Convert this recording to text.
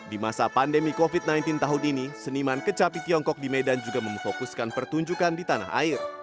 di masa pandemi covid sembilan belas tahun ini seniman kecapi tiongkok di medan juga memfokuskan pertunjukan di tanah air